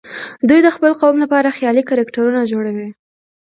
دوی د خپل قوم لپاره خيالي کرکټرونه جوړوي.